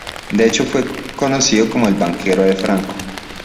De hecho fue conocido como el "banquero de Franco".